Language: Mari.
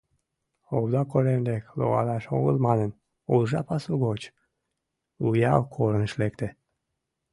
Овда корем дек логалаш огыл манын, уржа пасу гоч Уял корныш лекте.